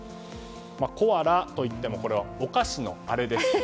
コアラといってもこれは、お菓子のあれです。